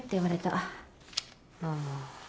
ああ。